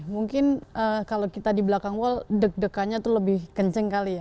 mungkin kalau kita di belakang wall deg degannya itu lebih kenceng kali ya